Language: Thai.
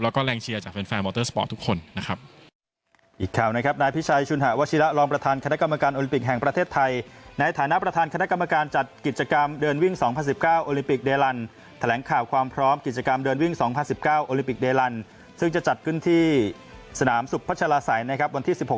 แล้วก็แรงเชียร์จากแฟนมอเตอร์สปอร์ตทุกคนนะครับ